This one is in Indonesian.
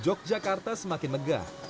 jogja kata semakin megah